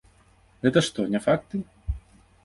Гэта што, не факты?